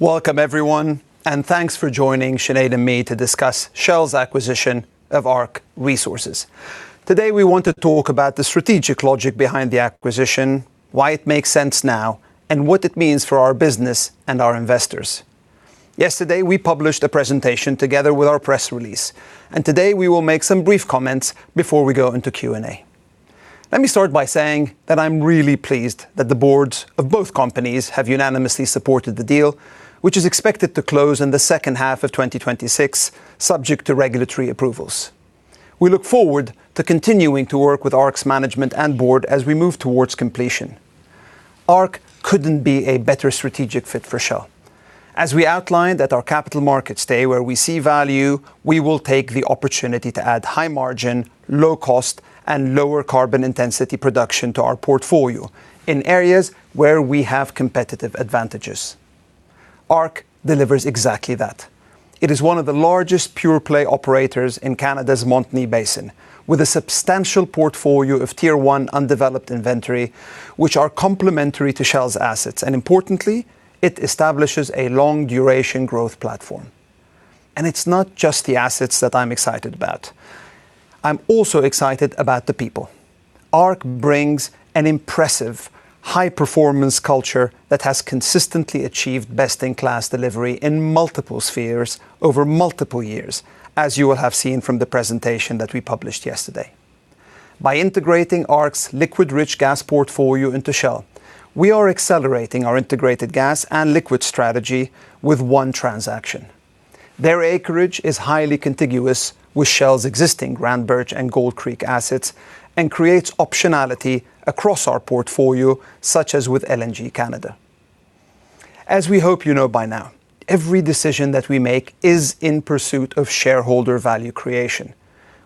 Welcome everyone, and thanks for joining Sinead and me to discuss Shell's acquisition of ARC Resources. Today, we want to talk about the strategic logic behind the acquisition, why it makes sense now, and what it means for our business and our investors. Yesterday, we published a presentation together with our press release, and today we will make some brief comments before we go into Q&A. Let me start by saying that I'm really pleased that the boards of both companies have unanimously supported the deal, which is expected to close in the second half of 2026, subject to regulatory approvals. We look forward to continuing to work with ARC's management and board as we move towards completion. ARC couldn't be a better strategic fit for Shell. As we outlined at our Capital Markets Day where we see value, we will take the opportunity to add high margin, low cost, and lower carbon intensity production to our portfolio in areas where we have competitive advantages. ARC delivers exactly that. It is one of the largest pure-play operators in Canada's Montney Basin, with a substantial portfolio of tier one undeveloped inventory, which are complementary to Shell's assets, importantly, it establishes a long duration growth platform. It's not just the assets that I'm excited about. I'm also excited about the people. ARC brings an impressive high-performance culture that has consistently achieved best in class delivery in multiple spheres over multiple years, as you will have seen from the presentation that we published yesterday. By integrating ARC's liquid-rich gas portfolio into Shell, we are accelerating our integrated gas and liquid strategy with one transaction. Their acreage is highly contiguous with Shell's existing Groundbirch and Gold Creek assets and creates optionality across our portfolio, such as with LNG Canada. As we hope you know by now, every decision that we make is in pursuit of shareholder value creation.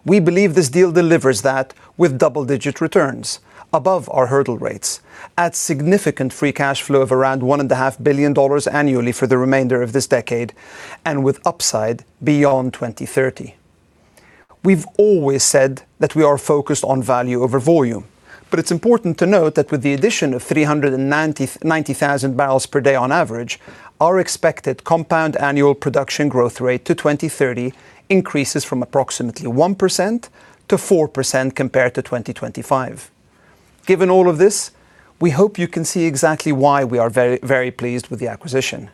We believe this deal delivers that with double-digit returns above our hurdle rates at significant free cash flow of around one and a half billion dollars annually for the remainder of this decade and with upside beyond 2030. It's important to note that with the addition of 390,000 barrels per day on average, our expected compound annual production growth rate to 2030 increases from approximately 1% to 4% compared to 2025. Given all of this, we hope you can see exactly why we are very, very pleased with the acquisition.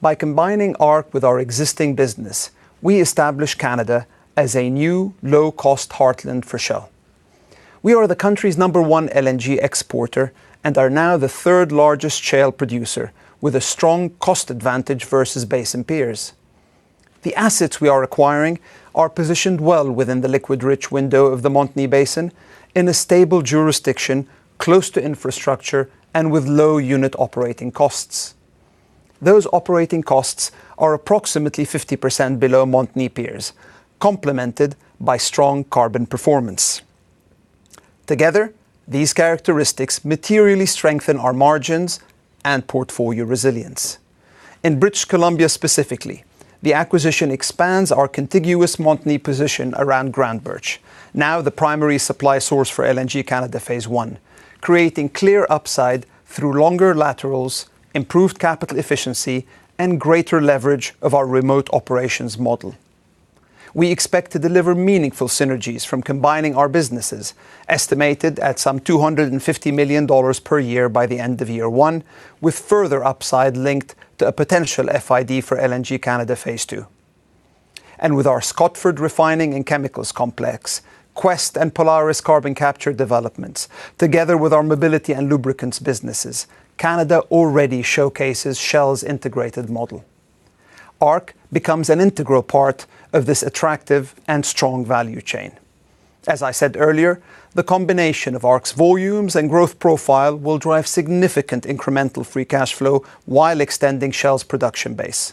By combining ARC with our existing business, we establish Canada as a new low-cost heartland for Shell. We are the country's number one LNG exporter and are now the third largest shale producer with a strong cost advantage versus basin peers. The assets we are acquiring are positioned well within the liquid rich window of the Montney Basin in a stable jurisdiction, close to infrastructure and with low unit operating costs. Those operating costs are approximately 50% below Montney peers, complemented by strong carbon performance. Together, these characteristics materially strengthen our margins and portfolio resilience. In British Columbia specifically, the acquisition expands our contiguous Montney position around Groundbirch, now the primary supply source for LNG Canada Phase 1, creating clear upside through longer laterals, improved capital efficiency, and greater leverage of our remote operations model. We expect to deliver meaningful synergies from combining our businesses, estimated at some $250 million per year by the end of year one, with further upside linked to a potential FID for LNG Canada Phase 2. With our Scotford Refining and Chemicals Complex, Quest and Polaris carbon capture developments, together with our mobility and lubricants businesses, Canada already showcases Shell's integrated model. ARC becomes an integral part of this attractive and strong value chain. As I said earlier, the combination of ARC's volumes and growth profile will drive significant incremental free cash flow while extending Shell's production base.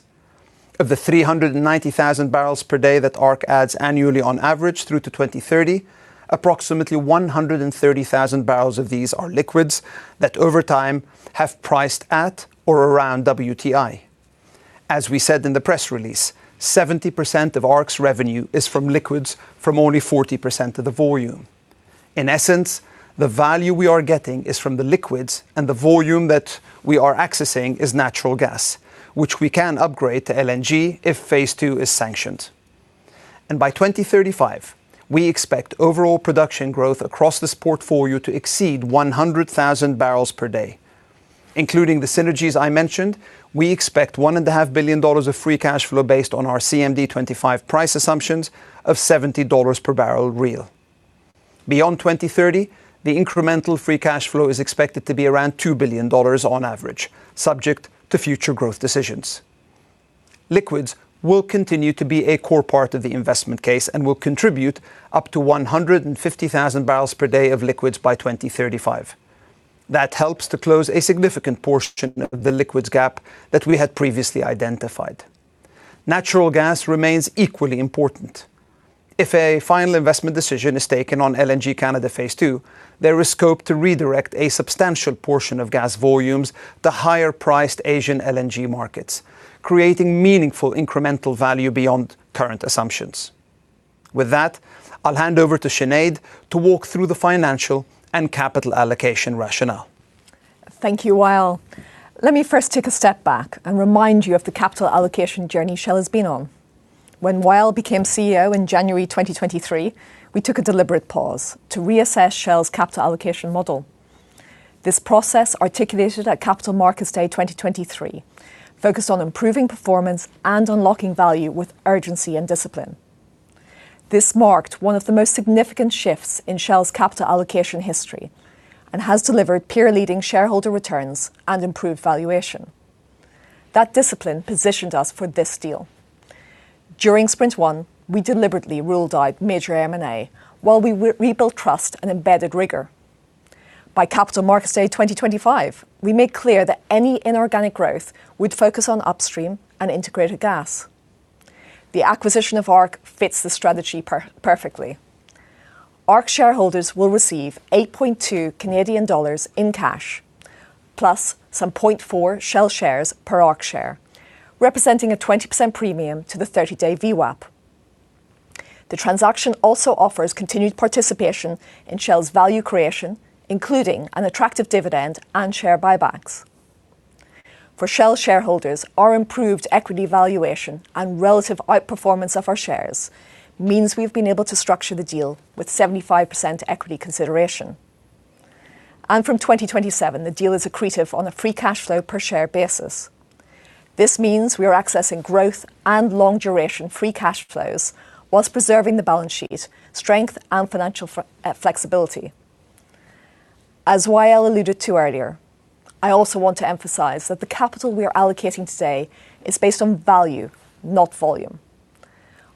Of the 390,000 barrels per day that ARC adds annually on average through to 2030, approximately 130,000 barrels of these are liquids that over time have priced at or around WTI. As we said in the press release, 70% of ARC's revenue is from liquids from only 40% of the volume. In essence, the value we are getting is from the liquids, and the volume that we are accessing is natural gas, which we can upgrade to LNG if Phase 2 is sanctioned. By 2035, we expect overall production growth across this portfolio to exceed 100,000 barrels per day. Including the synergies I mentioned, we expect one and a half billion dollars of free cash flow based on our CMD 2025 price assumptions of $70 per barrel real. Beyond 2030, the incremental free cash flow is expected to be around $2 billion on average, subject to future growth decisions. Liquids will continue to be a core part of the investment case and will contribute up to 150,000 barrels per day of liquids by 2035. That helps to close a significant portion of the liquids gap that we had previously identified. Natural gas remains equally important. If a final investment decision is taken on LNG Canada Phase 2, there is scope to redirect a substantial portion of gas volumes to higher-priced Asian LNG markets, creating meaningful incremental value beyond current assumptions. With that, I'll hand over to Sinead to walk through the financial and capital allocation rationale. Thank you, Wael. Let me first take a step back and remind you of the capital allocation journey Shell has been on. When Wael became CEO in January 2023, we took a deliberate pause to reassess Shell's capital allocation model. This process, articulated at Capital Markets Day 2023, focused on improving performance and unlocking value with urgency and discipline. This marked one of the most significant shifts in Shell's capital allocation history and has delivered peer-leading shareholder returns and improved valuation. That discipline positioned us for this deal. During sprint one, we deliberately ruled out major M&A while we rebuilt trust and embedded rigor. By Capital Markets Day 2025, we made clear that any inorganic growth would focus on upstream and integrated gas. The acquisition of ARC fits the strategy perfectly. ARC shareholders will receive 8.2 Canadian dollars in cash, plus some 0.4 Shell shares per ARC share, representing a 20% premium to the 30-day VWAP. The transaction also offers continued participation in Shell's value creation, including an attractive dividend and share buybacks. For Shell shareholders, our improved equity valuation and relative outperformance of our shares means we've been able to structure the deal with 75% equity consideration. From 2027, the deal is accretive on a free cash flow per share basis. This means we are accessing growth and long-duration free cash flows whilst preserving the balance sheet strength and financial flexibility. As Wael alluded to earlier, I also want to emphasize that the capital we are allocating today is based on value, not volume.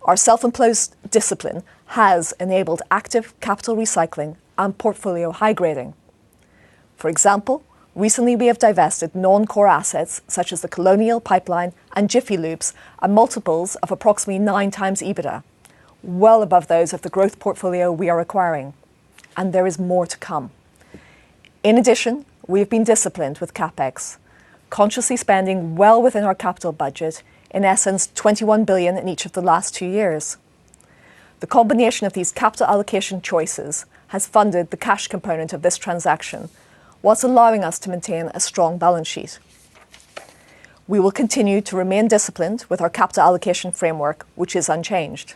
Our self-imposed discipline has enabled active capital recycling and portfolio high-grading. For example, recently we have divested non-core assets such as the Colonial Pipeline and Jiffy Lube at multiples of approximately 9x EBITDA, well above those of the growth portfolio we are acquiring, and there is more to come. In addition, we have been disciplined with CapEx, consciously spending well within our capital budget, in essence $21 billion in each of the last two years. The combination of these capital allocation choices has funded the cash component of this transaction whilst allowing us to maintain a strong balance sheet. We will continue to remain disciplined with our capital allocation framework, which is unchanged.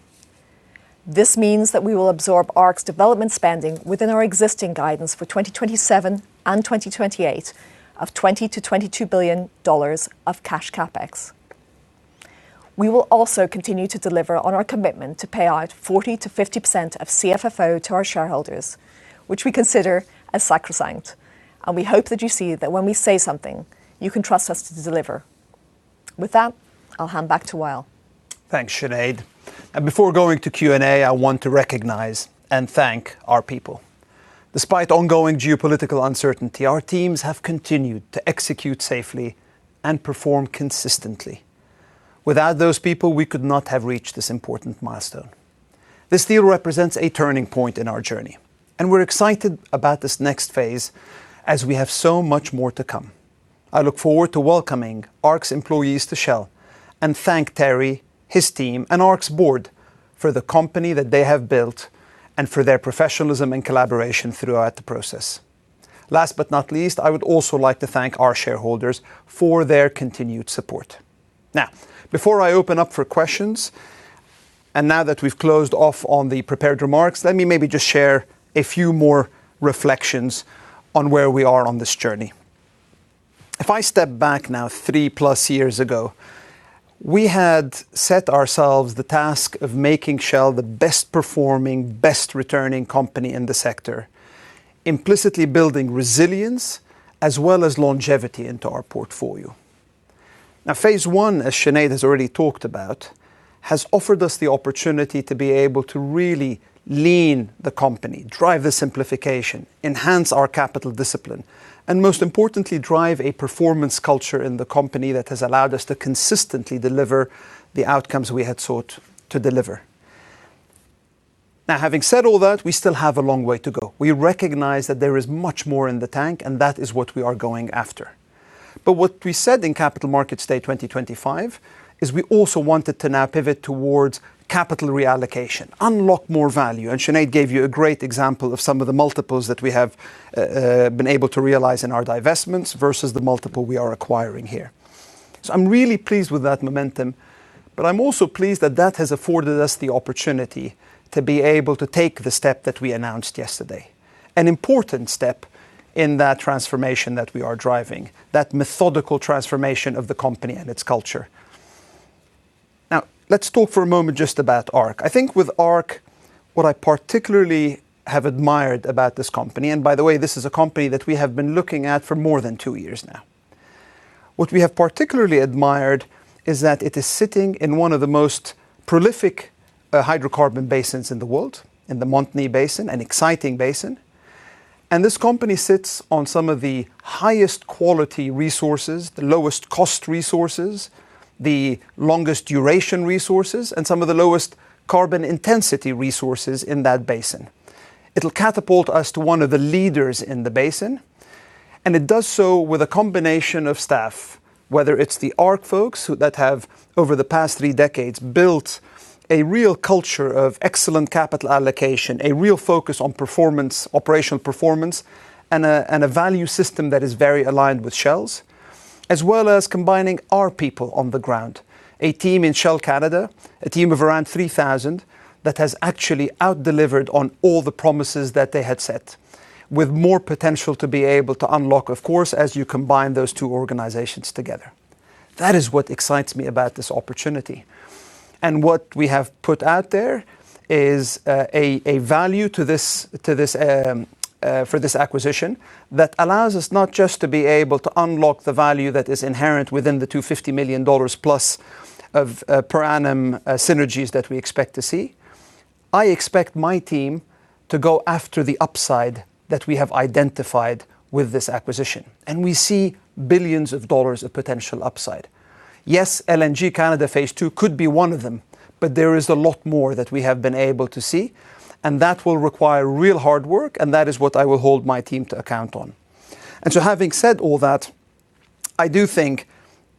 This means that we will absorb ARC's development spending within our existing guidance for 2027 and 2028 of $20 billion-$22 billion of cash CapEx. We will also continue to deliver on our commitment to pay out 40%-50% of CFFO to our shareholders, which we consider as sacrosanct. We hope that you see that when we say something, you can trust us to deliver. With that, I'll hand back to Wael. Thanks, Sinead. Before going to Q&A, I want to recognize and thank our people. Despite ongoing geopolitical uncertainty, our teams have continued to execute safely and perform consistently. Without those people, we could not have reached this important milestone. This deal represents a turning point in our journey, and we're excited about this next phase as we have so much more to come. I look forward to welcoming ARC's employees to Shell and thank Terry, his team, and ARC's board for the company that they have built and for their professionalism and collaboration throughout the process. Last but not least, I would also like to thank our shareholders for their continued support. Now, before I open up for questions, and now that we've closed off on the prepared remarks, let me maybe just share a few more reflections on where we are on this journey. If I step back now three-plus years ago, we had set ourselves the task of making Shell the best-performing, best-returning company in the sector, implicitly building resilience as well as longevity into our portfolio. Phase 1, as Sinead has already talked about, has offered us the opportunity to be able to really lean the company, drive the simplification, enhance our capital discipline, and most importantly, drive a performance culture in the company that has allowed us to consistently deliver the outcomes we had sought to deliver. Having said all that, we still have a long way to go. We recognize that there is much more in the tank, and that is what we are going after. What we said in Capital Markets Day 2025 is we also wanted to now pivot towards capital reallocation, unlock more value, and Sinead gave you a great example of some of the multiples that we have been able to realize in our divestments versus the multiple we are acquiring here. I'm really pleased with that momentum, but I'm also pleased that that has afforded us the opportunity to be able to take the step that we announced yesterday, an important step in that transformation that we are driving, that methodical transformation of the company and its culture. Let's talk for a moment just about ARC. I think with ARC, what I particularly have admired about this company, and by the way, this is a company that we have been looking at for more than two years now. What we have particularly admired is that it is sitting in one of the most prolific hydrocarbon basins in the world, in the Montney Basin, an exciting basin, and this company sits on some of the highest quality resources, the lowest cost resources, the longest duration resources, and some of the lowest carbon intensity resources in that basin. It'll catapult us to one of the leaders in the basin. It does so with a combination of staff, whether it's the ARC folks who have over the past three decades built a real culture of excellent capital allocation. A real focus on performance, operational performance, and a value system that is very aligned with Shell's, as well as combining our people on the ground. A team in Shell Canada, a team of around 3,000 that has actually out-delivered on all the promises that they had set, with more potential to be able to unlock, of course, as you combine those two organizations together. That is what excites me about this opportunity. What we have put out there is a value to this, for this acquisition that allows us not just to be able to unlock the value that is inherent within the $250 million plus of per annum synergies that we expect to see. I expect my team to go after the upside that we have identified with this acquisition. We see $billions of potential upside. Yes, LNG Canada Phase 2 could be one of them, but there is a lot more that we have been able to see, and that will require real hard work, and that is what I will hold my team to account on. Having said all that, I do think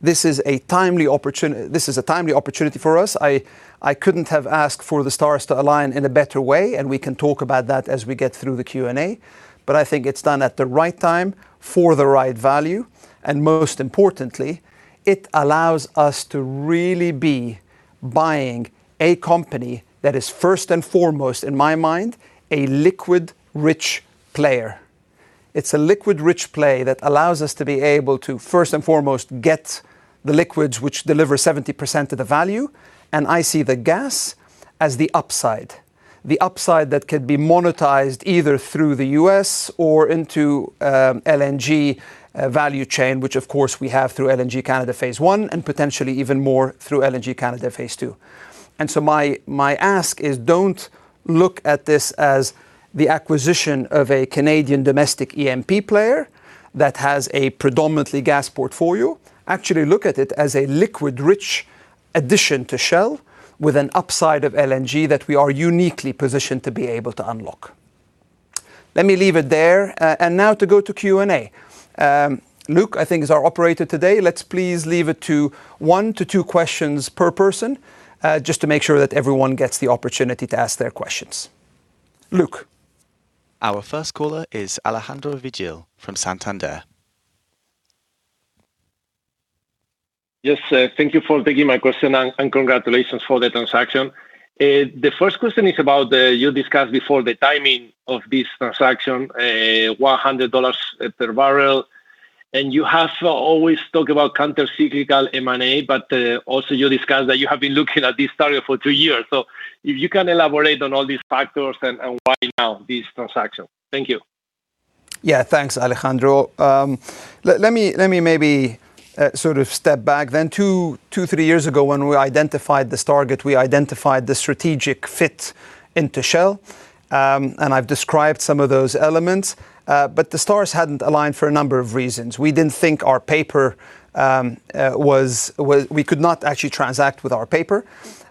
this is a timely opportunity for us. I couldn't have asked for the stars to align in a better way, and we can talk about that as we get through the Q&A. I think it's done at the right time, for the right value, and most importantly, it allows us to really be buying a company that is first and foremost, in my mind, a liquid-rich player. It's a liquid-rich play that allows us to be able to, first and foremost, get the liquids which deliver 70% of the value. I see the gas as the upside. The upside that could be monetized either through the U.S. or into LNG value chain, which of course we have through LNG Canada Phase 1. Potentially even more through LNG Canada Phase 2. My ask is don't look at this as the acquisition of a Canadian domestic E&P player that has a predominantly gas portfolio. Actually look at it as a liquid-rich addition to Shell with an upside of LNG that we are uniquely positioned to be able to unlock. Let me leave it there. Now to go to Q&A. Luke, I think, is our operator today. Let's please leave it to one to two questions per person, just to make sure that everyone gets the opportunity to ask their questions. Luke. Our first caller is Alejandro Vigil from Santander. Yes, thank you for taking my question and congratulations for the transaction. The first question is about the, you discussed before the timing of this transaction, $100 per barrel. You have always talked about counter-cyclical M&A, but, also you discussed that you have been looking at this target for two years. If you can elaborate on all these factors and why now this transaction? Thank you. Yeah. Thanks, Alejandro. Let me maybe sort of step back then. Two, three years ago, when we identified this target, we identified the strategic fit into Shell. I've described some of those elements. The stars hadn't aligned for a number of reasons. We could not actually transact with our paper.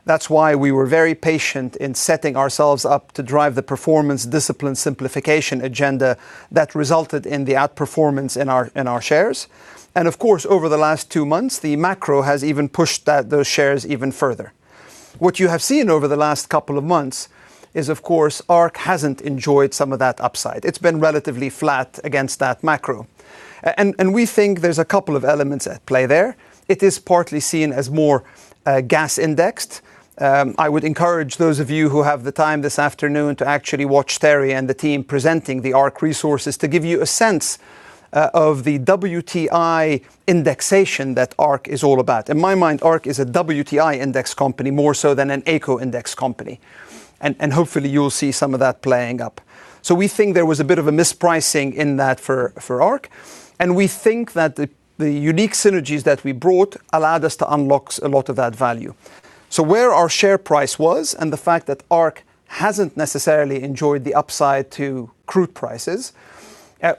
That's why we were very patient in setting ourselves up to drive the performance discipline simplification agenda that resulted in the outperformance in our shares. Of course, over the last two months, the macro has even pushed those shares even further. What you have seen over the last couple of months is, of course, ARC hasn't enjoyed some of that upside. It's been relatively flat against that macro. We think there's a couple of elements at play there. It is partly seen as more gas indexed. I would encourage those of you who have the time this afternoon to actually watch Terry and the team presenting the ARC Resources to give you a sense of the WTI indexation that ARC is all about. In my mind, ARC is a WTI index company more so than an AECO index company. Hopefully you'll see some of that playing up. We think there was a bit of a mispricing in that for ARC, and we think that the unique synergies that we brought allowed us to unlock a lot of that value. Where our share price was, and the fact that ARC hasn't necessarily enjoyed the upside to crude prices,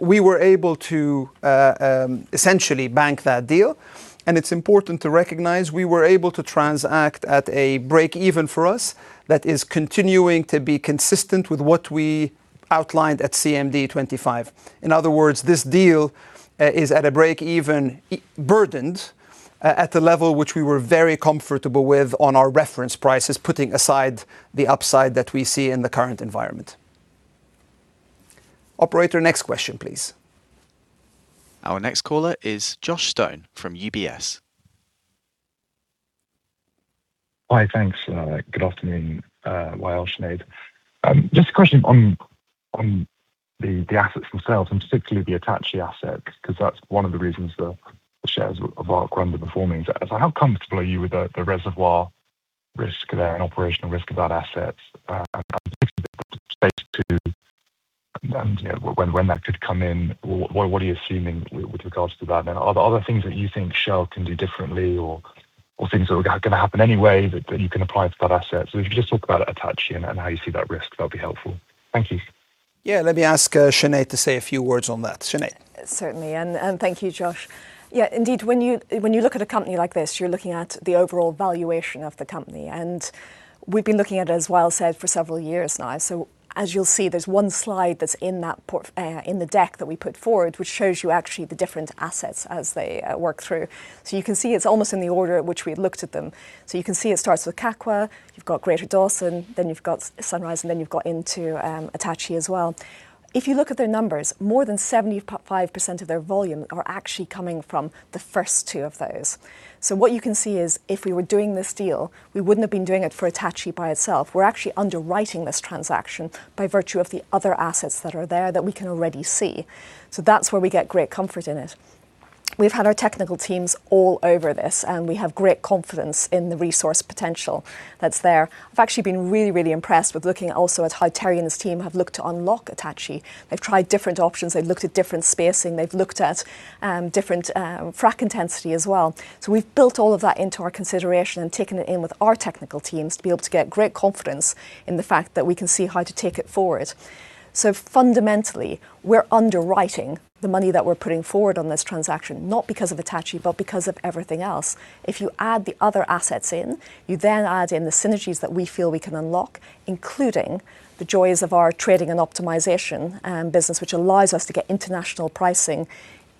we were able to essentially bank that deal. It's important to recognize we were able to transact at a break even for us that is continuing to be consistent with what we outlined at CMD 2025. In other words, this deal is at a break even, burdened at the level which we were very comfortable with on our reference prices, putting aside the upside that we see in the current environment. Operator, next question, please. Our next caller is Josh Stone from UBS. Hi, thanks, good afternoon, Wael, Sinead. Just a question on the assets themselves, and particularly the Attachie assets, 'cause that's one of the reasons the shares of ARC are underperforming. How comfortable are you with the reservoir risk there and operational risk of that asset? Particularly with the space too, and, you know, when that could come in, what are you assuming with regards to that? Are there things that you think Shell can do differently or things that are gonna happen anyway that you can apply to that asset? If you could just talk about Attachie and how you see that risk, that'd be helpful. Thank you. Yeah, let me ask Sinead to say a few words on that. Sinead. Certainly. Thank you, Josh. Yeah, indeed, when you look at a company like this, you're looking at the overall valuation of the company. We've been looking at, as Wael said, for several years now. As you'll see, there's one slide that's in that port in the deck that we put forward, which shows you actually the different assets as they work through. You can see it's almost in the order at which we've looked at them. You can see it starts with Kakwa, you've got Greater Dawson, then you've got Sunrise, and then you've got into Attachie as well. If you look at their numbers, more than 75% of their volume are actually coming from the first two of those. What you can see is if we were doing this deal, we wouldn't have been doing it for Attachie by itself. We're actually underwriting this transaction by virtue of the other assets that are there that we can already see. That's where we get great comfort in it. We've had our technical teams all over this, and we have great confidence in the resource potential that's there. I've actually been really, really impressed with looking also at how Terry and his team have looked to unlock Attachie. They've tried different options. They've looked at different spacing. They've looked at different frac intensity as well. We've built all of that into our consideration and taken it in with our technical teams to be able to get great confidence in the fact that we can see how to take it forward. Fundamentally, we're underwriting the money that we're putting forward on this transaction, not because of Attachie, but because of everything else. If you add the other assets in, you then add in the synergies that we feel we can unlock, including the joys of our trading and optimization business, which allows us to get international pricing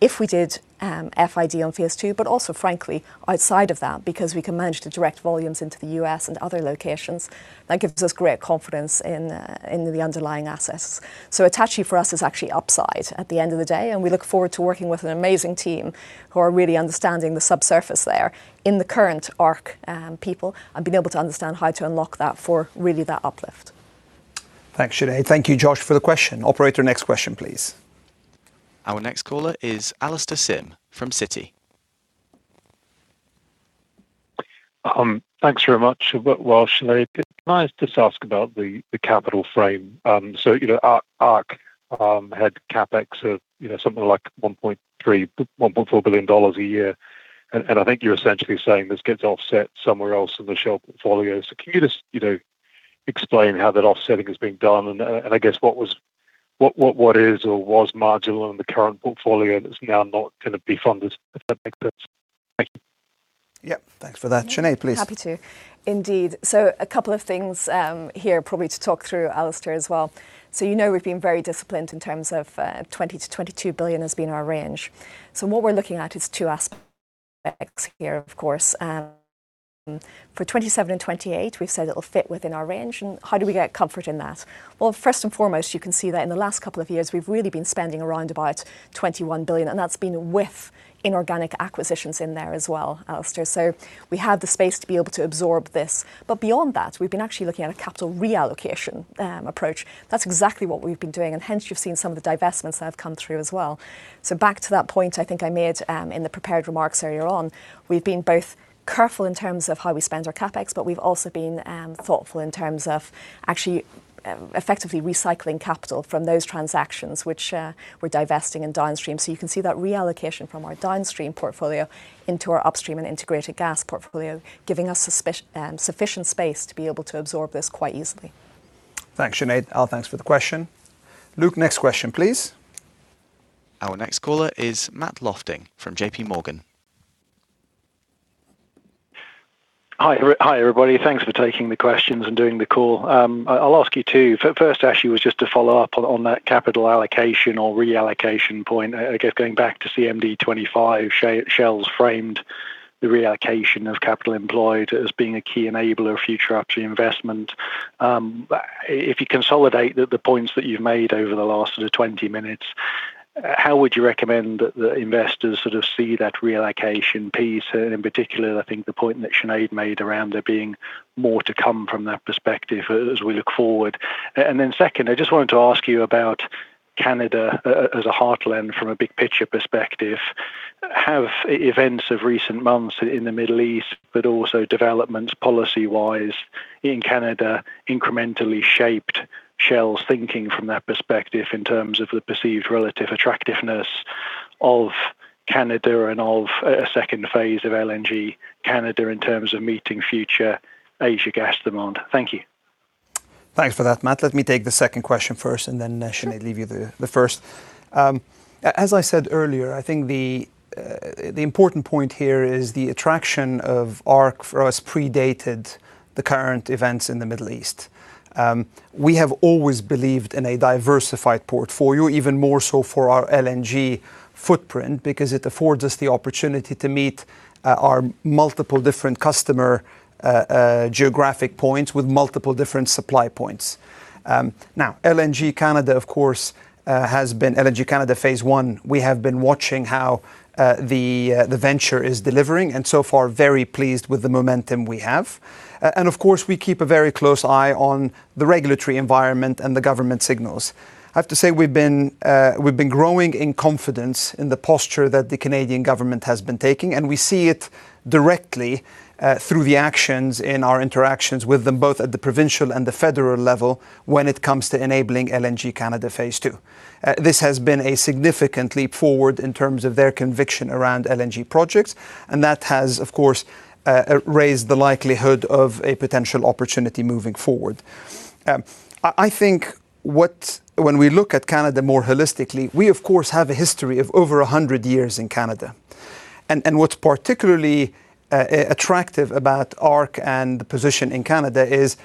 if we did FID on Phase 2, but also, frankly, outside of that, because we can manage the direct volumes into the U.S. and other locations. That gives us great confidence in the underlying assets. Attachie, for us, is actually upside at the end of the day, and we look forward to working with an amazing team who are really understanding the subsurface there in the current ARC people, and being able to understand how to unlock that for really that uplift. Thanks, Sinead. Thank you, Josh, for the question. Operator, next question please. Our next caller is Alastair Syme from Citi. Thanks very much. Wael, Sinead, can I just ask about the capital frame? You know, ARC had CapEx of, you know, something like $1.3 billion-$1.4 billion a year, I think you're essentially saying this gets offset somewhere else in the Shell portfolio. Can you just, you know, explain how that offsetting is being done, I guess what is or was marginal in the current portfolio that's now not gonna be funded if that makes sense. Thank you. Yep. Thanks for that. Sinead, please. Happy to. Indeed. A couple of things here probably to talk through, Alastair, as well. You know we've been very disciplined in terms of $20 billion-$22 billion has been our range. What we're looking at is two aspects here, of course. For 2027 and 2028 we've said it'll fit within our range. How do we get comfort in that? Well, first and foremost, you can see that in the last couple of years, we've really been spending around about $21 billion, and that's been with inorganic acquisitions in there as well, Alastair. We have the space to be able to absorb this. Beyond that, we've been actually looking at a capital reallocation approach. That's exactly what we've been doing, and hence, you've seen some of the divestments that have come through as well. Back to that point I think I made in the prepared remarks earlier on, we've been both careful in terms of how we spend our CapEx, but we've also been thoughtful in terms of actually effectively recycling capital from those transactions which we're divesting in downstream. You can see that reallocation from our downstream portfolio into our upstream and integrated gas portfolio, giving us sufficient space to be able to absorb this quite easily. Thanks, Sinead. Al, thanks for the question. Luke, next question please. Our next caller is Matt Lofting from JPMorgan. Hi. Hi, everybody. Thanks for taking the questions and doing the call. I'll ask you two. First actually was just to follow up on that capital allocation or reallocation point. I guess going back to CMD 2025, Shell's framed the reallocation of capital employed as being a key enabler of future upstream investment. If you consolidate the points that you've made over the last sort of 20 minutes, how would you recommend that the investors sort of see that reallocation piece, and in particular, I think the point that Sinead made around there being more to come from that perspective as we look forward. Second, I just wanted to ask you about Canada as a heartland from a big picture perspective. Have events of recent months in the Middle East but also developments policy-wise in Canada incrementally shaped Shell's thinking from that perspective in terms of the perceived relative attractiveness of Canada and of a second phase of LNG Canada in terms of meeting future Asia gas demand? Thank you. Thanks for that, Matt. Let me take the second question first, and then, Sinead, leave you the first. As I said earlier, I think the important point here is the attraction of ARC for us predated the current events in the Middle East. We have always believed in a diversified portfolio, even more so for our LNG footprint, because it affords us the opportunity to meet our multiple different customer geographic points with multiple different supply points. Now, LNG Canada, of course, LNG Canada Phase 1, we have been watching how the venture is delivering, and so far, very pleased with the momentum we have. Of course, we keep a very close eye on the regulatory environment and the government signals. I have to say we've been growing in confidence in the posture that the Canadian government has been taking. We see it directly through the actions in our interactions with them, both at the provincial and the federal level when it comes to enabling LNG Canada Phase 2. This has been a significant leap forward in terms of their conviction around LNG projects. That has, of course, raised the likelihood of a potential opportunity moving forward. When we look at Canada more holistically, we, of course, have a history of over 100 years in Canada. What's particularly attractive about ARC and the position in Canada is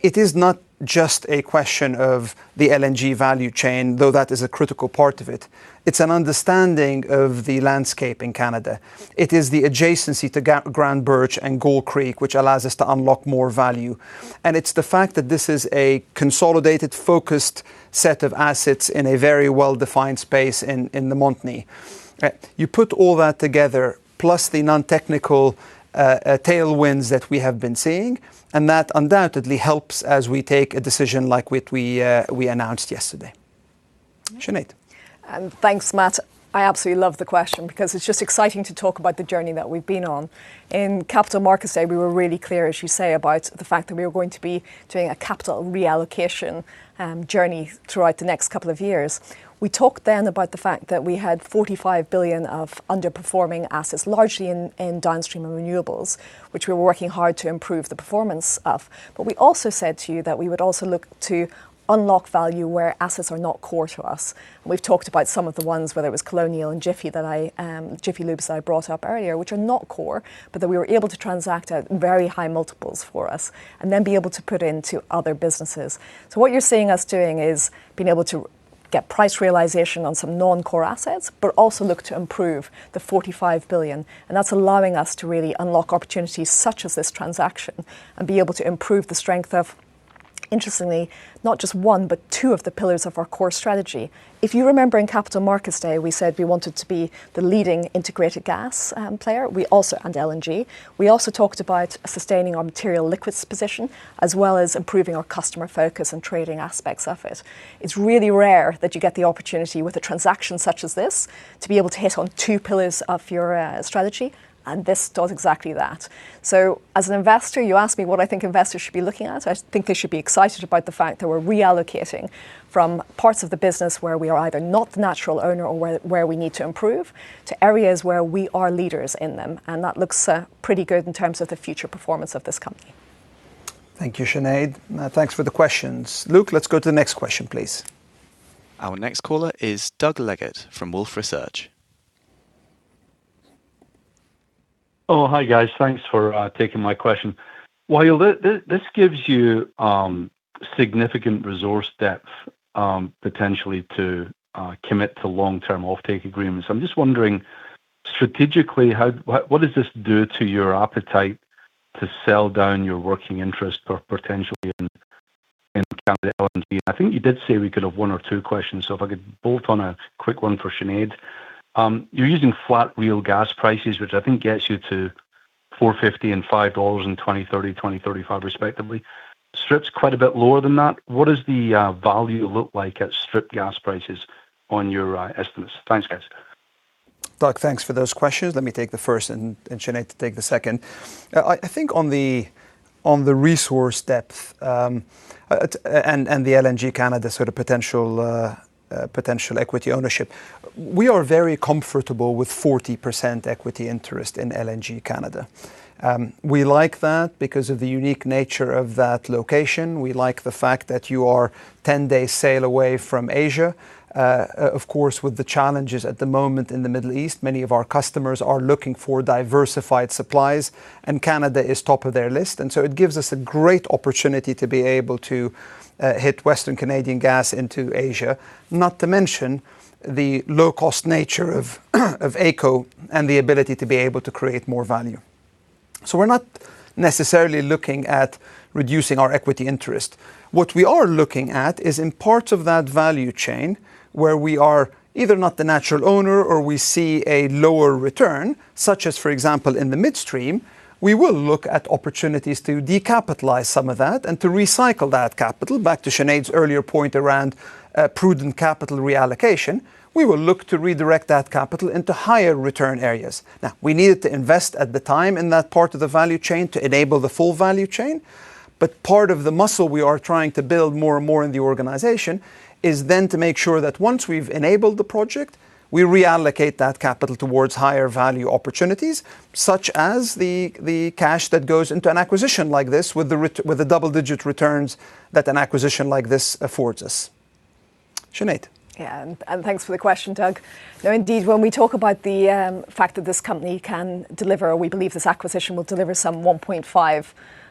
it is not just a question of the LNG value chain, though that is a critical part of it. It's an understanding of the landscape in Canada. It is the adjacency to Groundbirch and Gold Creek, which allows us to unlock more value, and it's the fact that this is a consolidated, focused set of assets in a very well-defined space in the Montney. You put all that together, plus the non-technical tailwinds that we have been seeing, and that undoubtedly helps as we take a decision like what we announced yesterday. Sinead. Thanks, Matt. I absolutely love the question because it's just exciting to talk about the journey that we've been on. In Capital Markets Day, we were really clear, as you say, about the fact that we are going to be doing a capital reallocation journey throughout the next couple of years. We talked then about the fact that we had $45 billion of underperforming assets, largely in downstream and renewables, which we were working hard to improve the performance of. We also said to you that we would also look to unlock value where assets are not core to us. We've talked about some of the ones, whether it was Colonial and Jiffy, that I, Jiffy Lube that I brought up earlier, which are not core, but that we were able to transact at very high multiples for us and then be able to put into other businesses. What you're seeing us doing is being able to get price realization on some non-core assets, but also look to improve the $45 billion, and that's allowing us to really unlock opportunities such as this transaction and be able to improve the strength of, interestingly, not just one, but two of the pillars of our core strategy. If you remember in Capital Markets Day, we said we wanted to be the leading integrated gas, player. We also and LNG. We also talked about sustaining our material liquids position as well as improving our customer focus and trading aspects of it. It's really rare that you get the opportunity with a transaction such as this to be able to hit on two pillars of your strategy, and this does exactly that. As an investor, you asked me what I think investors should be looking at. I think they should be excited about the fact that we're reallocating from parts of the business where we are either not the natural owner or where we need to improve, to areas where we are leaders in them, and that looks pretty good in terms of the future performance of this company. Thank you, Sinead. Thanks for the questions. Luke, let's go to the next question, please. Our next caller is Doug Leggate from Wolfe Research. Hi, guys. Thanks for taking my question. Wael, this gives you significant resource depth, potentially to commit to long-term offtake agreements. I'm just wondering, strategically, what does this do to your appetite to sell down your working interest or potentially in LNG Canada? If I could bolt on a quick one for Sinead. You're using flat real gas prices, which I think gets you to $4.50 and $5 in 2030, 2035 respectively. Strip's quite a bit lower than that. What does the value look like at strip gas prices on your estimates? Thanks, guys. Doug, thanks for those questions. Let me take the first and Sinead to take the second. I think on the resource depth and the LNG Canada sort of potential equity ownership, we are very comfortable with 40% equity interest in LNG Canada. We like that because of the unique nature of that location. We like the fact that you are 10 days sail away from Asia. Of course, with the challenges at the moment in the Middle East, many of our customers are looking for diversified supplies, Canada is top of their list. It gives us a great opportunity to be able to hit western Canadian gas into Asia, not to mention the low-cost nature of AECO and the ability to be able to create more value. We're not necessarily looking at reducing our equity interest. What we are looking at is in parts of that value chain where we are either not the natural owner or we see a lower return, such as, for example, in the midstream, we will look at opportunities to decapitalize some of that and to recycle that capital. Back to Sinead's earlier point around prudent capital reallocation, we will look to redirect that capital into higher return areas. We needed to invest at the time in that part of the value chain to enable the full value chain. Part of the muscle we are trying to build more and more in the organization is then to make sure that once we've enabled the project, we reallocate that capital towards higher value opportunities, such as the cash that goes into an acquisition like this with the double-digit returns that an acquisition like this affords us. Sinead. Thanks for the question, Doug. Indeed, when we talk about the fact that this company can deliver, we believe this acquisition will deliver some $1.5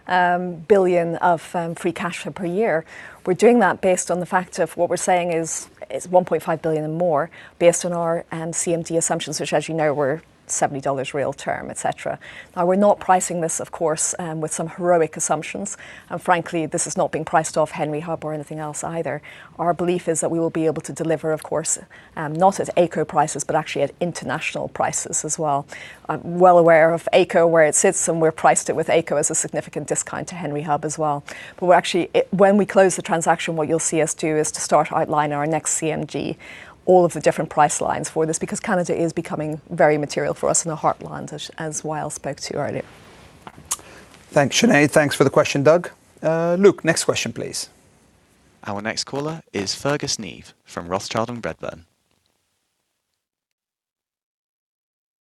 billion of free cash flow per year. We're doing that based on the fact of what we're saying is $1.5 billion and more based on our CMD assumptions, which as you know, were $70 real term, et cetera. We're not pricing this, of course, with some heroic assumptions, and frankly, this is not being priced off Henry Hub or anything else either. Our belief is that we will be able to deliver, of course, not at AECO prices, but actually at international prices as well. I'm well aware of AECO, where it sits, and we've priced it with AECO as a significant discount to Henry Hub as well. We're actually, when we close the transaction, what you'll see us do is to start outlining our next CMD, all of the different price lines for this, because Canada is becoming very material for us in the heartland, as Wael spoke to earlier. Thanks, Sinead. Thanks for the question, Doug. Luke, next question please. Our next caller is Fergus Neve from Rothschild & Co Redburn.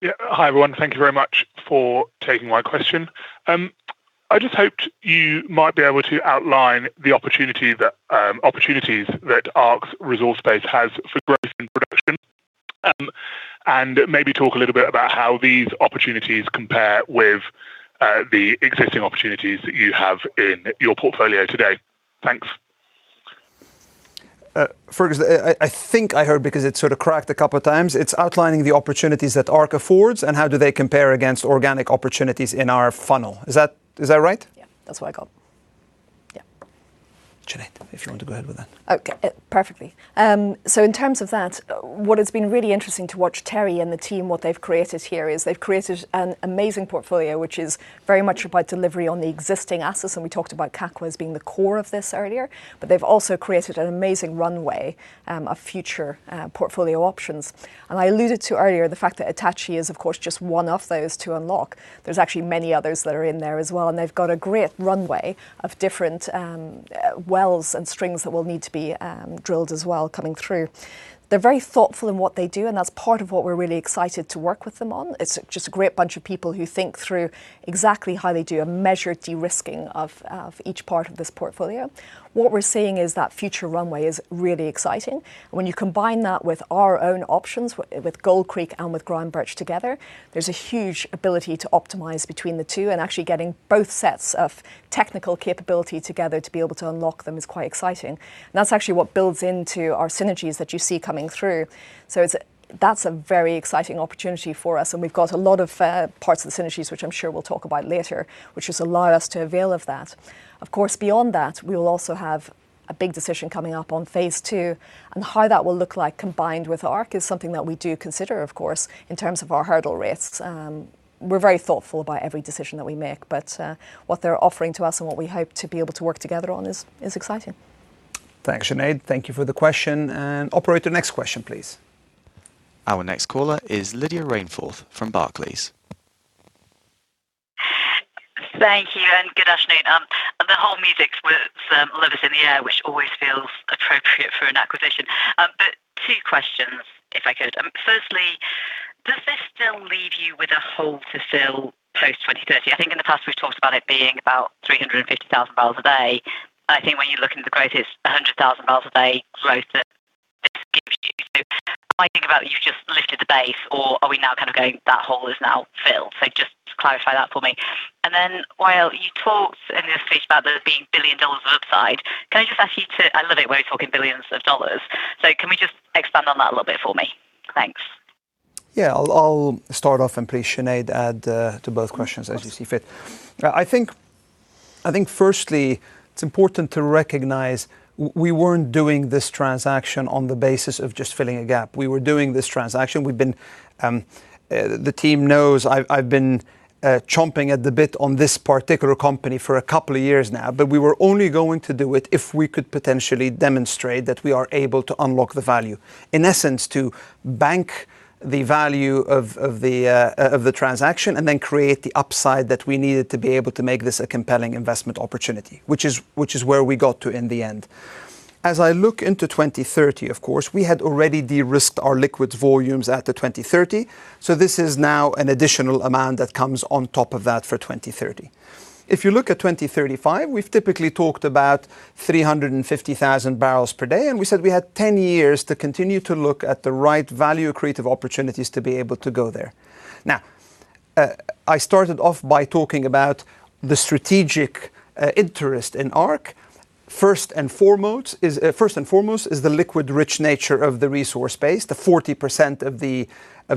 Yeah. Hi, everyone. Thank you very much for taking my question. I just hoped you might be able to outline the opportunities that ARC Resources' resource base has for growth and production. Maybe talk a little bit about how these opportunities compare with the existing opportunities that you have in your portfolio today. Thanks Fergus, I think I heard because it sort of cracked a couple of times. It's outlining the opportunities that ARC affords and how do they compare against organic opportunities in our funnel? Is that right? Yeah, that's what I got. Yeah. Sinead, if you want to go ahead with that. Okay. Perfectly. In terms of that, what has been really interesting to watch Terry and the team, what they've created here, is they've created an amazing portfolio, which is very much about delivery on the existing assets, and we talked about Kakwa as being the core of this earlier. They've also created an amazing runway of future portfolio options. I alluded to earlier the fact that Attachie is, of course, just one of those to unlock. There's actually many others that are in there as well. They've got a great runway of different wells and strings that will need to be drilled as well coming through. They're very thoughtful in what they do. That's part of what we're really excited to work with them on. It's just a great bunch of people who think through exactly how they do a measured de-risking of each part of this portfolio. What we're seeing is that future runway is really exciting. When you combine that with our own options, with Gold Creek and with Groundbirch together, there's a huge ability to optimize between the two and actually getting both sets of technical capability together to be able to unlock them is quite exciting. That's actually what builds into our synergies that you see coming through. That's a very exciting opportunity for us, and we've got a lot of parts of the synergies, which I'm sure we'll talk about later, which has allowed us to avail of that. Of course, beyond that, we will also have a big decision coming up on Phase 2, and how that will look like combined with ARC is something that we do consider, of course, in terms of our hurdle risks. We're very thoughtful about every decision that we make, but what they're offering to us and what we hope to be able to work together on is exciting. Thanks, Sinead. Thank you for the question. Operator, next question please. Our next caller is Lydia Rainforth from Barclays. Thank you, and good afternoon. The whole music's with "Love Is in the Air," which always feels appropriate for an acquisition. Two questions, if I could. Firstly, does this still leave you with a hole to fill post 2030? I think in the past, we've talked about it being about 350,000 barrels a day. I think when you look at the greatest 100,000 barrels a day growth that this gives you. Am I thinking about you just lifted the base, or are we now kind of going, that hole is now filled? Just clarify that for me. While you talked in your speech about there being $ billion of upside, I love it where you're talking $ billions of dollars. Can we just expand on that a little bit for me? Thanks. Yeah. I'll start off and please, Sinead, add to both questions as you see fit. I think firstly, it's important to recognize we weren't doing this transaction on the basis of just filling a gap. We were doing this transaction. We've been, the team knows I've been chomping at the bit on this particular company for a couple of years now. But we were only going to do it if we could potentially demonstrate that we are able to unlock the value. In essence, to bank the value of the transaction and then create the upside that we needed to be able to make this a compelling investment opportunity, which is where we got to in the end. As I look into 2030, of course, we had already de-risked our liquids volumes at the 2030. This is now an additional amount that comes on top of that for 2030. If you look at 2035, we've typically talked about 350,000 barrels per day, and we said we had 10 years to continue to look at the right value-creating opportunities to be able to go there. Now, I started off by talking about the strategic interest in ARC. First and foremost is the liquid-rich nature of the resource base, the 40% of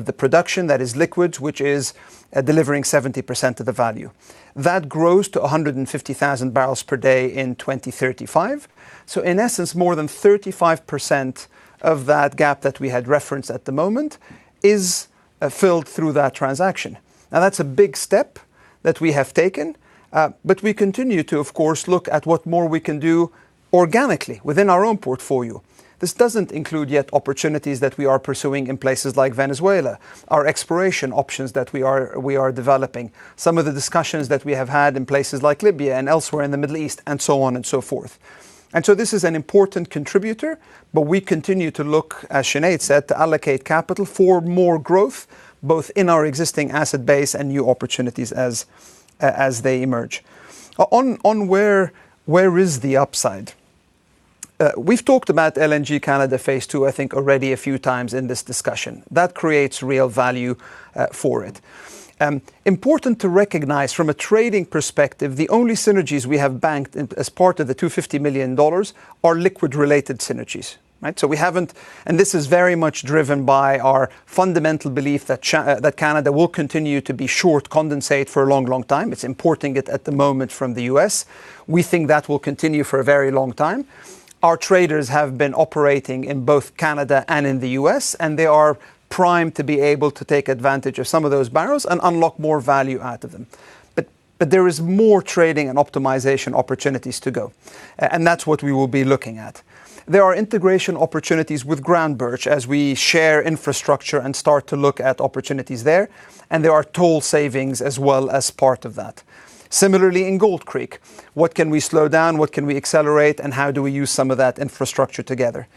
the production that is liquids, which is delivering 70% of the value. That grows to 150,000 barrels per day in 2035. In essence, more than 35% of that gap that we had referenced at the moment is filled through that transaction. Now, that's a big step that we have taken, but we continue to, of course, look at what more we can do organically within our own portfolio. This doesn't include yet opportunities that we are pursuing in places like Venezuela, our exploration options that we are developing, some of the discussions that we have had in places like Libya and elsewhere in the Middle East, and so on and so forth. This is an important contributor, but we continue to look, as Sinead said, to allocate capital for more growth, both in our existing asset base and new opportunities as they emerge. On where is the upside? We've talked about LNG Canada Phase 2, I think, already a few times in this discussion. That creates real value for it. Important to recognize from a trading perspective, the only synergies we have banked in, as part of the $250 million are liquid-related synergies, right? This is very much driven by our fundamental belief that Canada will continue to be short condensate for a long, long time. It's importing it at the moment from the U.S. We think that will continue for a very long time. Our traders have been operating in both Canada and in the U.S., and they are primed to be able to take advantage of some of those barrels and unlock more value out of them. There is more trading and optimization opportunities to go, and that's what we will be looking at. There are integration opportunities with Groundbirch as we share infrastructure and start to look at opportunities there, and there are toll savings as well as part of that. Similarly, in Gold Creek, what can we slow down, what can we accelerate, and how do we use some of that infrastructure together?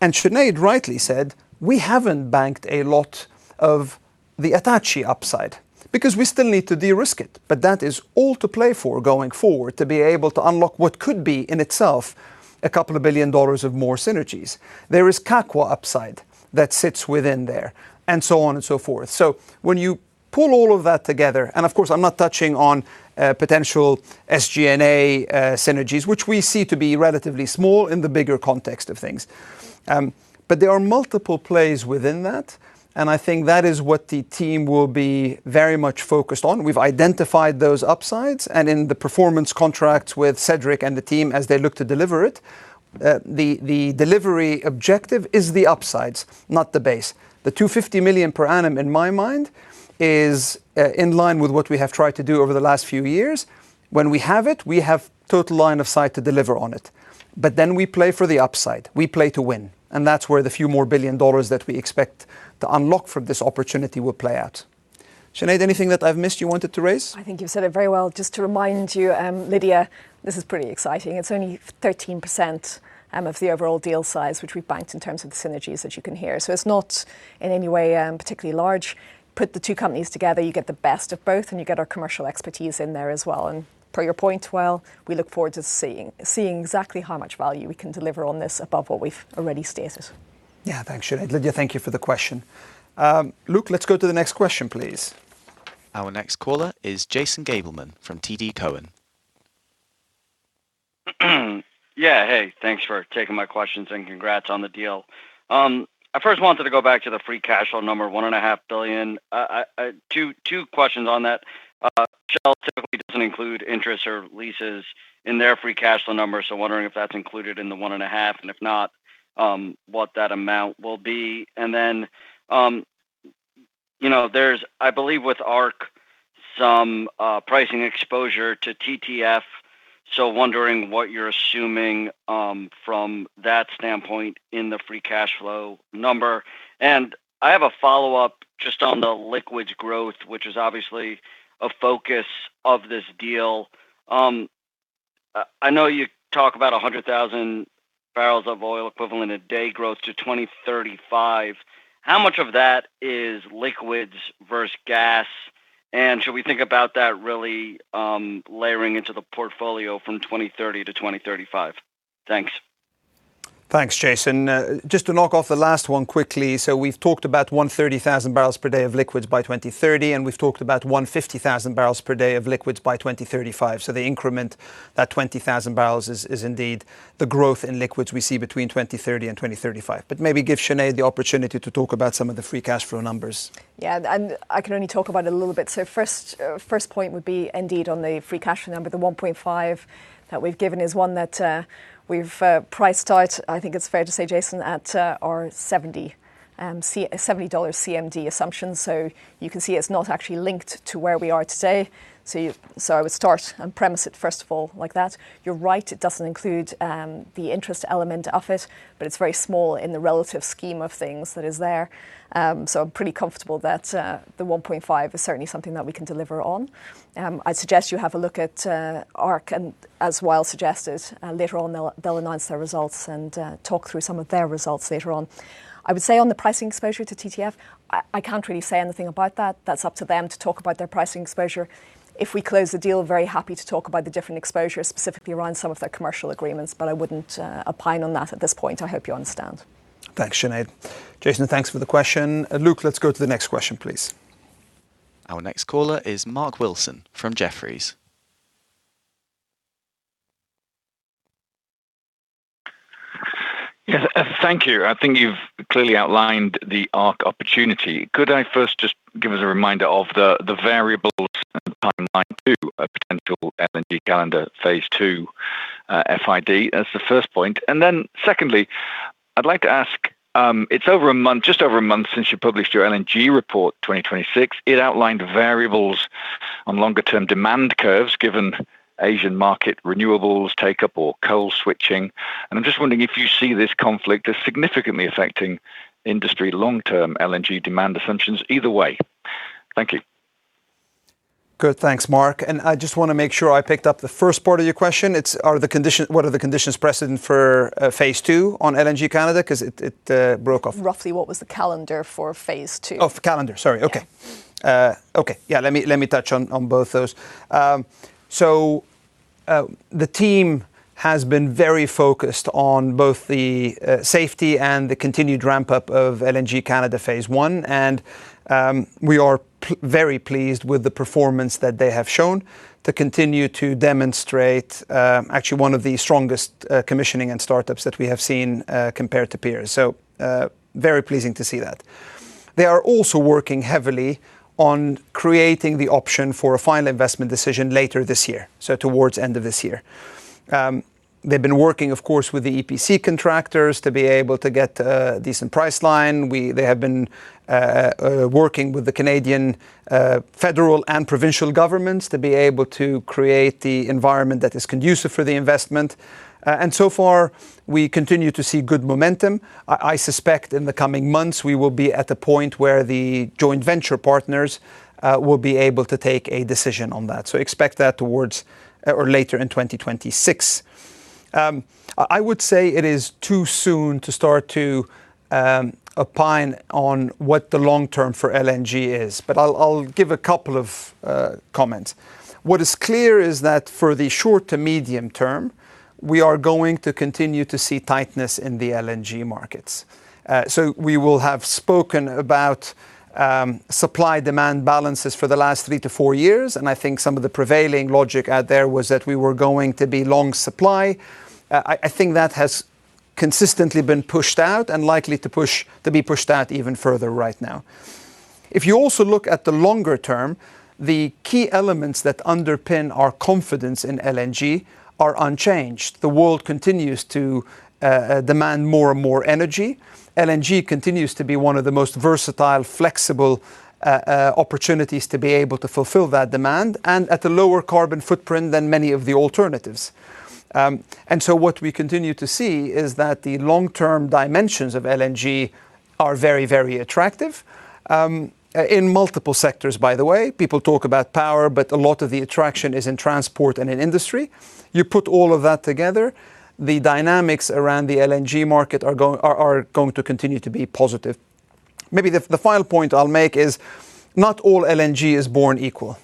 Sinead rightly said, we haven't banked a lot of the Attachie upside because we still need to de-risk it, but that is all to play for going forward to be able to unlock what could be in itself $2 billion of more synergies. There is Kakwa upside that sits within there, and so on and so forth. When you pull all of that together, and of course, I'm not touching on potential SG&A synergies, which we see to be relatively small in the bigger context of things. There are multiple plays within that, and I think that is what the team will be very much focused on. We've identified those upsides, and in the performance contracts with Cedric and the team as they look to deliver it, the delivery objective is the upsides, not the base. The $250 million per annum in my mind is in line with what we have tried to do over the last few years. When we have it, we have total line of sight to deliver on it. We play for the upside. We play to win, and that's where the $ few billion that we expect to unlock from this opportunity will play out. Sinead, anything that I've missed you wanted to raise? I think you've said it very well. Just to remind you, Lydia, this is pretty exciting. It's only 13% of the overall deal size, which we've banked in terms of the synergies that you can hear. It's not in any way particularly large. Put the two companies together, you get the best of both, and you get our commercial expertise in there as well. Per your point, Wael, we look forward to seeing exactly how much value we can deliver on this above what we've already stated. Yeah. Thanks, Sinead. Lydia, thank you for the question. Luke, let's go to the next question, please. Our next caller is Jason Gabelman from TD Cowen. Yeah. Hey. Thanks for taking my questions, and congrats on the deal. I first wanted to go back to the free cash flow number, $1.5 billion. I have two questions on that. Shell typically doesn't include interest or leases in their free cash flow numbers, so wondering if that's included in the $1.5 billion, and if not, what that amount will be. Then, you know there's, I believe with ARC, some pricing exposure to TTF, so wondering what you're assuming from that standpoint in the free cash flow number. I have a follow-up just on the liquids growth, which is obviously a focus of this deal. I know you talk about 100,000 barrels of oil equivalent a day growth to 2035. How much of that is liquids versus gas, and should we think about that really, layering into the portfolio from 2030 to 2035? Thanks. Thanks, Jason. Just to knock off the last one quickly. We've talked about 130,000 barrels per day of liquids by 2030, and we've talked about 150,000 barrels per day of liquids by 2035. The increment, that 20,000 barrels is indeed the growth in liquids we see between 2030 and 2035. Maybe give Sinead the opportunity to talk about some of the free cash flow numbers. Yeah, I can only talk about it a little bit. First, first point would be indeed on the free cash flow number. The $1.5 that we've given is one that we've priced out, I think it's fair to say, Jason, at our $70 CMD assumption. You can see it's not actually linked to where we are today. I would start and premise it first of all like that. You're right, it doesn't include the interest element of it, but it's very small in the relative scheme of things that is there. I'm pretty comfortable that the $1.5 is certainly something that we can deliver on. I suggest you have a look at ARC and as Wael suggested, later on they'll announce their results and talk through some of their results later on. I would say on the pricing exposure to TTF, I can't really say anything about that. That's up to them to talk about their pricing exposure. If we close the deal, very happy to talk about the different exposures specifically around some of their commercial agreements, but I wouldn't opine on that at this point. I hope you understand. Thanks, Sinead. Jason, thanks for the question. Luke, let's go to the next question, please. Our next caller is Mark Wilson from Jefferies. Yes. Thank you. I think you've clearly outlined the ARC opportunity. Could I first just give us a reminder of the variables and timeline to a potential LNG Canada Phase 2 FID? That's the first point. Secondly, I'd like to ask, it's over a month, just over a month since you published your LNG Outlook 2026. It outlined variables on longer term demand curves given Asian market renewables take up or coal switching. I'm just wondering if you see this conflict as significantly affecting industry long-term LNG demand assumptions either way. Thank you. Good. Thanks, Mark. I just wanna make sure I picked up the first part of your question. What are the conditions precedent for Phase 2 on LNG Canada, 'cause it broke off. Roughly what was the calendar for Phase 2? Oh, calendar. Sorry. Okay. Okay. Yeah, let me touch on both those. The team has been very focused on both the safety and the continued ramp-up of LNG Canada Phase 1, and we are very pleased with the performance that they have shown to continue to demonstrate, actually one of the strongest commissioning and startups that we have seen compared to peers. Very pleasing to see that. They are also working heavily on creating the option for a final investment decision later this year, so towards end of this year. They've been working, of course, with the EPC contractors to be able to get a decent price line. They have been working with the Canadian federal and provincial governments to be able to create the environment that is conducive for the investment. So far we continue to see good momentum. I suspect in the coming months we will be at the point where the joint venture partners will be able to take a decision on that. Expect that towards or later in 2026. I would say it is too soon to start to opine on what the long term for LNG is, but I'll give a couple of comments. What is clear is that for the short to medium term, we are going to continue to see tightness in the LNG markets. We will have spoken about supply-demand balances for the last 3 to 4 years, and I think some of the prevailing logic out there was that we were going to be long supply. I think that has consistently been pushed out and likely to be pushed out even further right now. If you also look at the longer term, the key elements that underpin our confidence in LNG are unchanged. The world continues to demand more and more energy. LNG continues to be one of the most versatile, flexible opportunities to be able to fulfill that demand, and at a lower carbon footprint than many of the alternatives. What we continue to see is that the long-term dimensions of LNG are very, very attractive in multiple sectors by the way. People talk about power, but a lot of the attraction is in transport and in industry. You put all of that together, the dynamics around the LNG market are going to continue to be positive. Maybe the final point I'll make is not all LNG is born equal.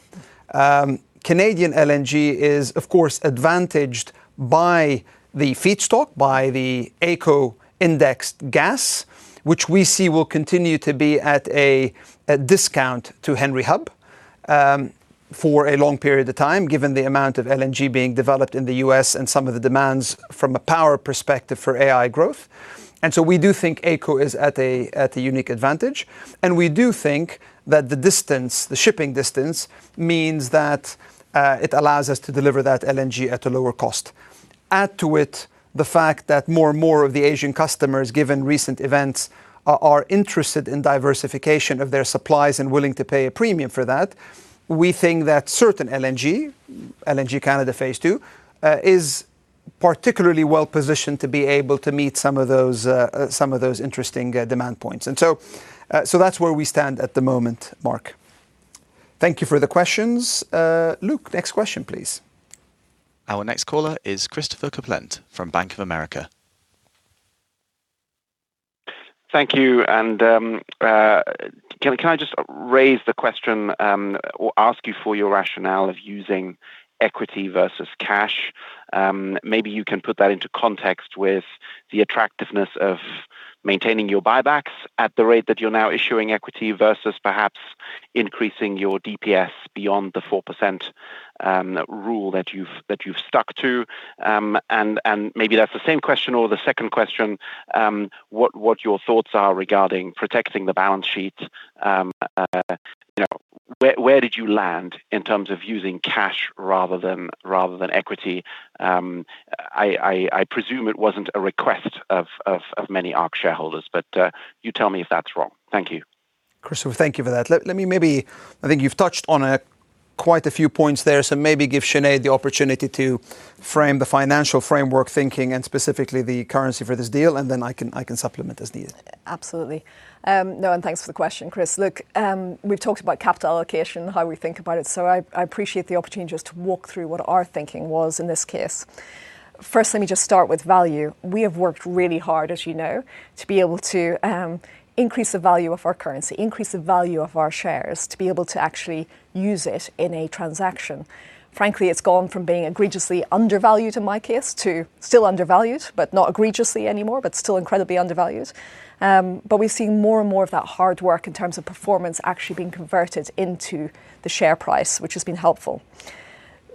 Canadian LNG is, of course, advantaged by the feedstock, by the AECO-indexed gas, which we see will continue to be at a discount to Henry Hub for a long period of time, given the amount of LNG being developed in the U.S. and some of the demands from a power perspective for AI growth. We do think AECO is at a unique advantage, and we do think that the distance, the shipping distance means that it allows us to deliver that LNG at a lower cost. Add to it the fact that more and more of the Asian customers, given recent events, are interested in diversification of their supplies and willing to pay a premium for that. We think that certain LNG Canada Phase 2, is particularly well-positioned to be able to meet some of those, some of those interesting, demand points. That's where we stand at the moment, Mark. Thank you for the questions. Luke, next question please. Our next caller is Christopher Kuplent from Bank of America. Thank you. Can I just raise the question or ask you for your rationale of using equity versus cash? Maybe you can put that into context with the attractiveness of maintaining your buybacks at the rate that you're now issuing equity versus perhaps increasing your DPS beyond the 4% rule that you've stuck to. Maybe that's the same question or the second question, what your thoughts are regarding protecting the balance sheets. You know, where did you land in terms of using cash rather than equity? I presume it wasn't a request of many ARC shareholders, but you tell me if that's wrong. Thank you. Christopher, thank you for that. I think you've touched on quite a few points there, maybe give Sinead the opportunity to frame the financial framework thinking, and specifically the currency for this deal, and then I can supplement as needed. Absolutely. No, and thanks for the question, Chris. Look, we've talked about capital allocation, how we think about it, so I appreciate the opportunity just to walk through what our thinking was in this case. First, let me just start with value. We have worked really hard, as you know, to be able to increase the value of our currency, increase the value of our shares, to be able to actually use it in a transaction. Frankly, it's gone from being egregiously undervalued, in my case, to still undervalued, but not egregiously anymore, but still incredibly undervalued. We've seen more and more of that hard work in terms of performance actually being converted into the share price, which has been helpful.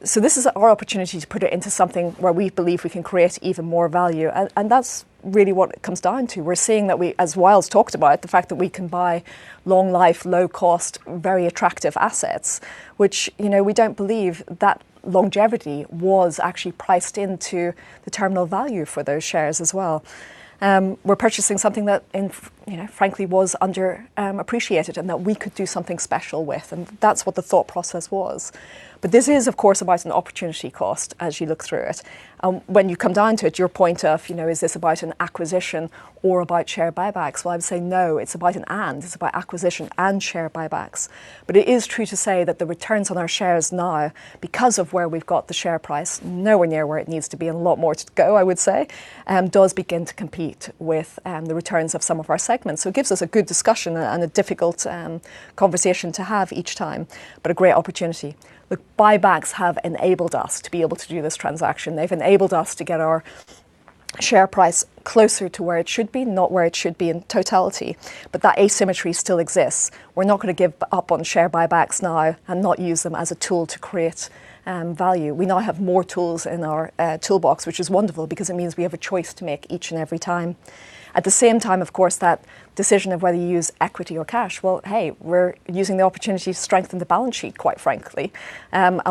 This is our opportunity to put it into something where we believe we can create even more value, and that's really what it comes down to. We're seeing that we, as Wael's talked about, the fact that we can buy long life, low cost, very attractive assets, which, you know, we don't believe that longevity was actually priced into the terminal value for those shares as well. We're purchasing something that, you know, frankly, was under appreciated and that we could do something special with, and that's what the thought process was. This is, of course, about an opportunity cost as you look through it. When you come down to it, your point of, you know, is this about an acquisition or about share buybacks, well, I would say no, it's about an and. It's about acquisition and share buybacks. It is true to say that the returns on our shares now, because of where we've got the share price, nowhere near where it needs to be and a lot more to go, I would say, does begin to compete with the returns of some of our segments. It gives us a good discussion and a difficult conversation to have each time, but a great opportunity. Look, buybacks have enabled us to be able to do this transaction. They've enabled us to get our share price closer to where it should be, not where it should be in totality, but that asymmetry still exists. We're not gonna give up on share buybacks now and not use them as a tool to create value. We now have more tools in our toolbox, which is wonderful because it means we have a choice to make each and every time. At the same time, of course, that decision of whether you use equity or cash, well, hey, we're using the opportunity to strengthen the balance sheet, quite frankly.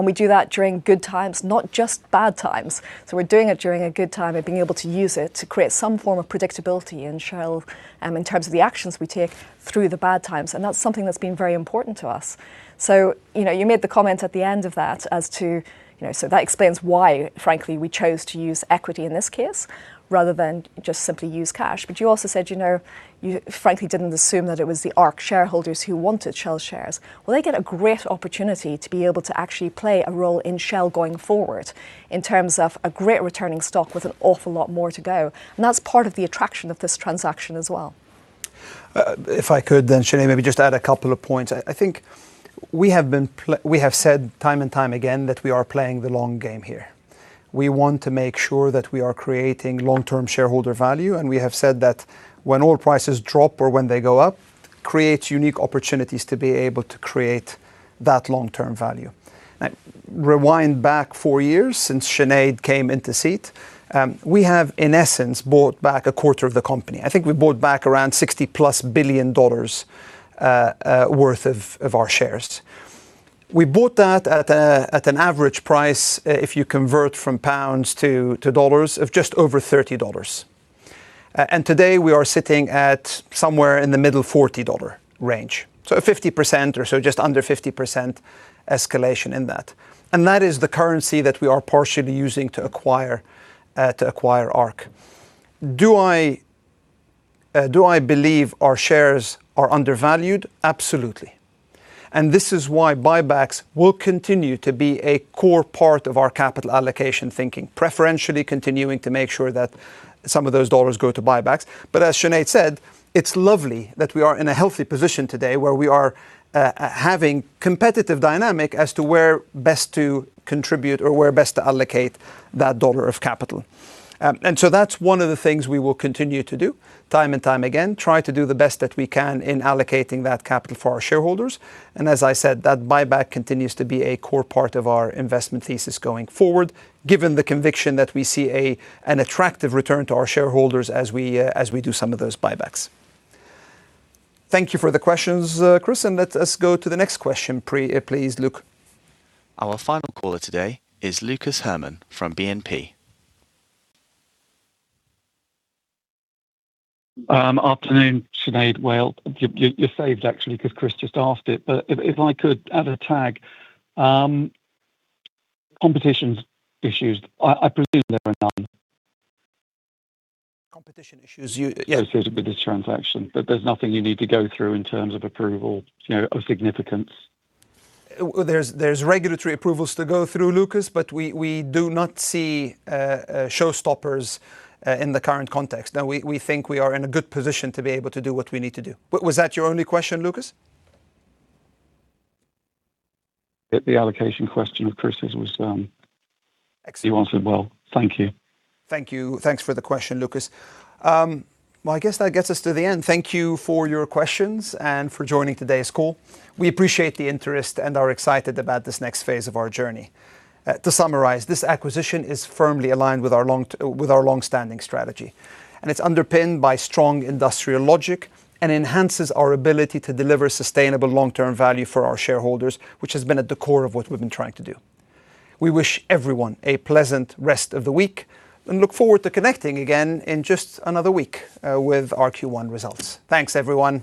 We do that during good times, not just bad times. We're doing it during a good time and being able to use it to create some form of predictability in Shell, in terms of the actions we take through the bad times, and that's something that's been very important to us. You know, you made the comment at the end of that as to, you know, that explains why, frankly, we chose to use equity in this case rather than just simply use cash. You also said, you know, you frankly didn't assume that it was the ARC shareholders who wanted Shell shares. They get a great opportunity to be able to actually play a role in Shell going forward in terms of a great returning stock with an awful lot more to go, and that's part of the attraction of this transaction as well. If I could then, Sinead, maybe just add a couple of points. I think we have said time and time again that we are playing the long game here. We want to make sure that we are creating long-term shareholder value, and we have said that when oil prices drop or when they go up, creates unique opportunities to be able to create that long-term value. Now, rewind back four years, since Sinead came into seat, we have, in essence, bought back a quarter of the company. I think we bought back around $60+ billion worth of our shares. We bought that at an average price, if you convert from pounds to dollars, of just over $30. Today we are sitting at somewhere in the middle $40 range. A 50% or so, just under 50% escalation in that. That is the currency that we are partially using to acquire, to acquire ARC. Do I believe our shares are undervalued? Absolutely. This is why buybacks will continue to be a core part of our capital allocation thinking, preferentially continuing to make sure that some of those dollars go to buybacks. As Sinead said, it's lovely that we are in a healthy position today where we are having competitive dynamic as to where best to contribute or where best to allocate that dollar of capital. That's one of the things we will continue to do time and time again, try to do the best that we can in allocating that capital for our shareholders. As I said, that buyback continues to be a core part of our investment thesis going forward, given the conviction that we see an attractive return to our shareholders as we do some of those buybacks. Thank you for the questions, Chris. Let us go to the next question, please, Luke. Our final caller today is Lucas Herrmann from BNP Paribas. Afternoon, Sinead. Wael, you're saved actually 'cause Chris just asked it, but if I could add a tag, competitions issues, I presume there are none. Competition issues you. Yes. Associated with this transaction, there's nothing you need to go through in terms of approval, you know, of significance? There's regulatory approvals to go through, Lucas, we do not see showstoppers in the current context. No, we think we are in a good position to be able to do what we need to do. Was that your only question, Lucas? The allocation question of Chris's was, you answered well. Thank you. Thank you. Thanks for the question, Lucas. Well I guess that gets us to the end. Thank you for your questions and for joining today's call. We appreciate the interest and are excited about this next phase of our journey. To summarize, this acquisition is firmly aligned with our long-standing strategy, it's underpinned by strong industrial logic and enhances our ability to deliver sustainable long-term value for our shareholders, which has been at the core of what we've been trying to do. We wish everyone a pleasant rest of the week and look forward to connecting again in just another week with our Q1 results. Thanks everyone.